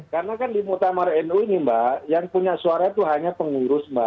karena kan di mutamar nu ini mbak yang punya suara itu hanya pengurus mbak